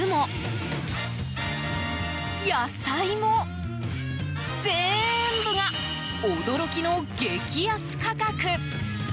肉も野菜も全部が驚きの激安価格。